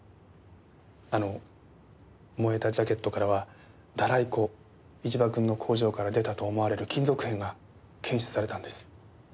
あの燃えたジャケットからはダライ粉一場君の工場から出たと思われる金属片が検出されたんです。